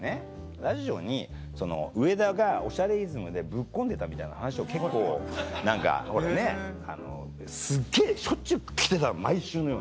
ラジオに上田が『おしゃれイズム』でぶっ込んでたみたいな話を結構何かほらねすっげぇしょっちゅう来てたの毎週のように。